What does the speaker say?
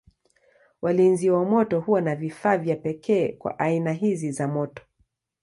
Walinzi wa moto huwa na vifaa vya pekee kwa aina hizi za moto.